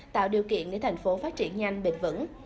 tạo điều kiện để tp hcm phát triển nhanh bền vững